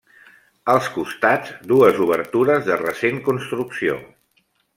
Als costats, dues obertures de recent construcció.